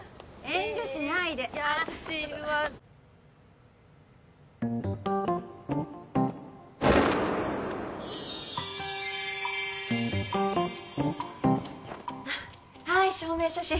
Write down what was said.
遠慮しないでいや私ははい証明写真